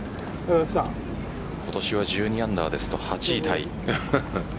今年は１２アンダーですと８位タイ。